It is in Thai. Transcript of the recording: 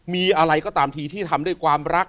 มีอะไรก็ตามทีที่ทำด้วยความรัก